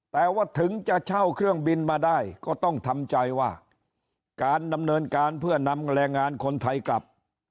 แต่ว่าถึงจะเช่าเครื่องบินมาได้ก็ต้องทำใจว่าการดำเนินการเพื่อนำแรงงานคนไทยกลับ